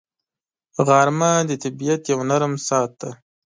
غرمه د طبیعت یو نرم ساعت دی